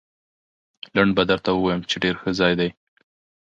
لنډ به درته ووایم، چې ډېر ښه ځای دی.